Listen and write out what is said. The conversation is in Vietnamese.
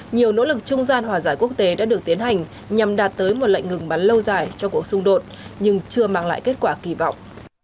nhiều nỗ lực trung gian hòa giải quốc tế đã được tiến hành nhằm đạt tới một lệnh ngừng bắn lâu dài cho cuộc xung đột nhưng chưa mang lại kết quả kỳ vọng